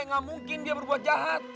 nggak mungkin dia berbuat jahat